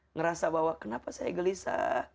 ngerasa bahwa kenapa saya gelisah